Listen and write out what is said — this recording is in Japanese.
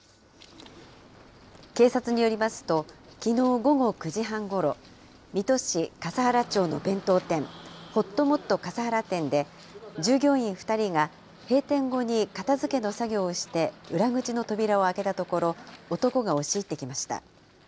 警察によりますと、きのう午後９時半ごろ、水戸市笠原町の弁当店、ほっともっと笠原店で、従業員２人が閉店後に片づけの作業をして裏口の扉を開けたところ、男が押し入ってきました。